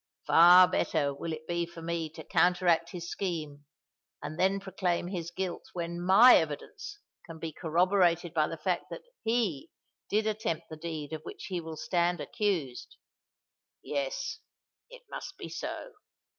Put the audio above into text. Far better will it be for me to counteract his scheme, and then proclaim his guilt when my evidence can be corroborated by the fact that he did attempt the deed of which he will stand accused! Yes—it must be so.